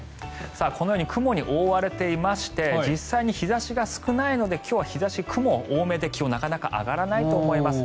このように雲に覆われていまして実際に日差しが少ないので今日は雲多めで気温はなかなか上がらないと思います。